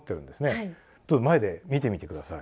どうぞ前で見てみてください。